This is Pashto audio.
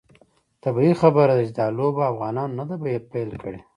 طبیعي خبره ده چې دا لوبه افغانانو نه ده پیل کړې.